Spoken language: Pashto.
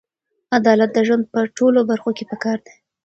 عدالت د ژوند په ټولو برخو کې پکار دی.